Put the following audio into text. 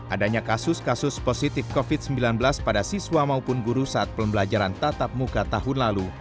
adanya kasus kasus positif covid sembilan belas pada siswa maupun guru saat pembelajaran tatap muka tahun lalu